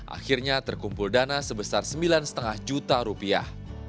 akhirnya terkumpul dana sebesar sembilan lima juta rupiah